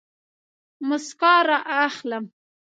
موسکا رااخلم